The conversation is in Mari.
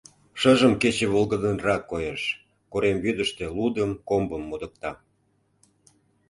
Шыжым кече волгыдынрак коеш, корем вӱдыштӧ лудым, комбым модыкта.